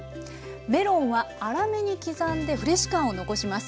メロンは粗めに刻んでフレッシュ感を残します。